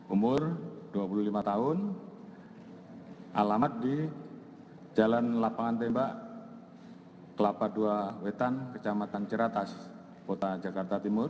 umur dua puluh lima tahun alamat di jalan lapangan tembak kelapa dua wetan kecamatan ciratas kota jakarta timur